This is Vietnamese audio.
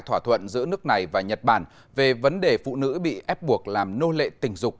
thỏa thuận giữa nước này và nhật bản về vấn đề phụ nữ bị ép buộc làm nô lệ tình dục